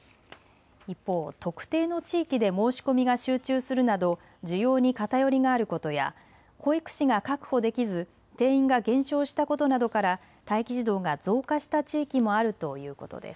一方、特定の地域で申し込みが集中するなど需要に偏りがあることや保育士が確保できず定員が減少したことなどから待機児童が増加した地域もあるということです。